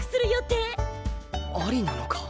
ありなのか？